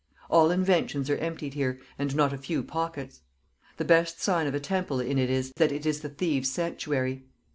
All inventions are emptied here, and not a few pockets. The best sign of a temple in it is, that it is the thieves sanctuary....